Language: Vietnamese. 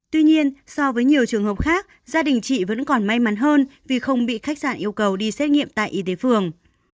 tuy nhiên so với nhiều trường hợp khác gia đình chị vẫn còn may mắn hơn vì không bị khách sạn yêu cầu đi xét nghiệm tại y tế phường